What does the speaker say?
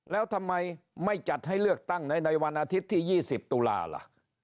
แล้วทำไมไม่จัดให้เลือกตั้งในวันอาทิตย์ที่๒๐ตุลาล่ะ